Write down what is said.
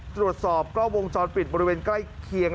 ตรวจสอบกล้องวงจรปิดบริเวณใกล้เคียง